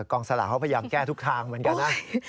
กองสลากเขาพยายามแก้ทุกทางเหมือนกันนะ